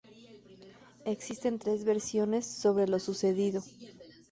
Existen tres versiones sobre lo sucedido.